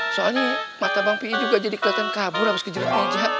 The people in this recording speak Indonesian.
soalnya mata bang pih juga jadi kelihatan kabur habis kejedut meja